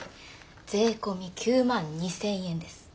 税込み９万２，０００円です。